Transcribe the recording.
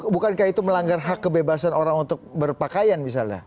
bukankah itu melanggar hak kebebasan orang untuk berpakaian misalnya